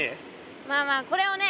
まあまあこれをね